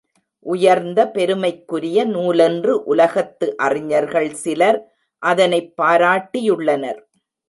உயர்ந்த பெருமைக்குரிய நூலென்று உலகத்து அறிஞர்கள் சிலர் அதனைப் பாராட்டியுள்ளனர்.